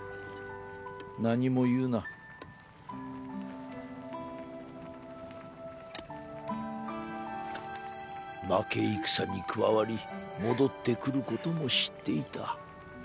何も言うな「負け戦に加わり戻ってくることも知っていた」。